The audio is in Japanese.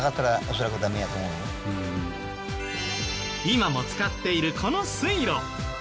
今も使っているこの水路。